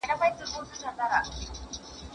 د امنیت ساتل د کورنۍ د پلار دنده ده.